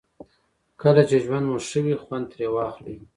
کله چې ژوند مو ښه وي خوند ترې واخلئ.